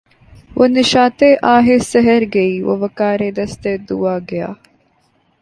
وہ نشاط آہ سحر گئی وہ وقار دست دعا گیا